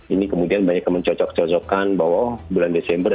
ini kemudian banyak yang mencocok cocokkan bahwa bulan desember